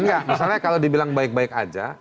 enggak misalnya kalau dibilang baik baik aja